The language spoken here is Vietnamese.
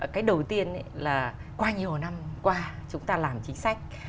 cái đầu tiên là qua nhiều năm qua chúng ta làm chính sách